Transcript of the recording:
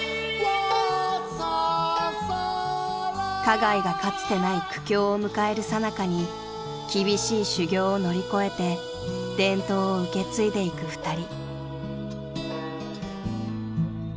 ［花街がかつてない苦境を迎えるさなかに厳しい修業を乗り越えて伝統を受け継いでいく２人］